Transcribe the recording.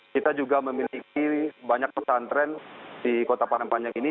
kita juga memiliki banyak pesantren di kota padang panjang ini